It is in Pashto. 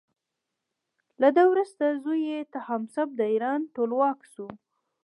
له ده وروسته زوی یې تهماسب د ایران ټولواک شو.